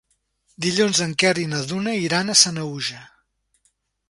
Dilluns en Quer i na Duna iran a Sanaüja.